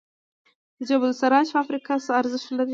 د جبل السراج فابریکه څه ارزښت لري؟